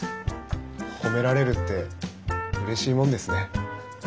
褒められるってうれしいもんですね。